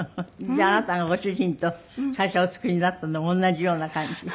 じゃああなたがご主人と会社お作りになったの同じような感じ？